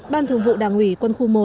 ban thường vụ đảng ủy quân khu một